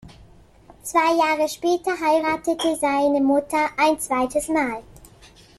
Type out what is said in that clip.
Zwei Jahre später heiratete seine Mutter ein zweites Mal.